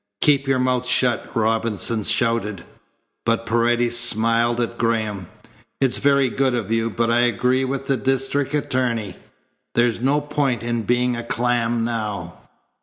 "Keep your mouth shut," Robinson shouted. But Paredes smiled at Graham. "It's very good of you, but I agree with the district attorney. There's no point in being a clam now."